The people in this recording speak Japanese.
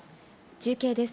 中継です。